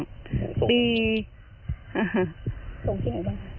ส่งที่ไหนบ้าง